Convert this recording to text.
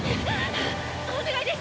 お願いです！